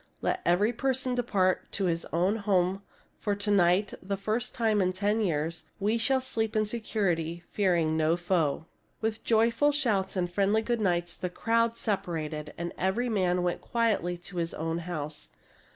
Let every person depart to his own home ; for to night, the first time in ten years, we shall sleep in security, fearing no foe." With joyful shouts and friendly good nights the crowd separated, and every man went quietly to his own house.